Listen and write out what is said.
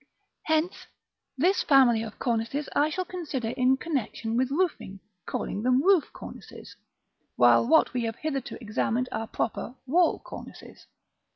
Hence this family of cornices I shall consider in connection with roofing, calling them "roof cornices," while what we have hitherto examined are proper "wall cornices."